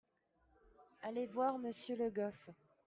Allez voir monsieur Le Goff.